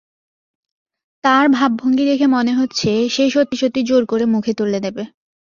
তার ভাবভঙ্গি দেখে মনে হচ্ছে, সে সত্যি-সত্যি জোর করে মুখে তুলে দেবে।